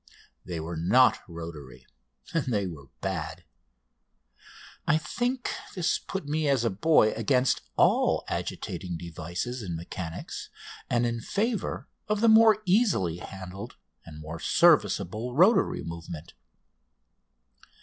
They were not rotary, and they were bad. I think this put me as a boy against all agitating devices in mechanics and in favour of the more easily handled and more serviceable rotary movement.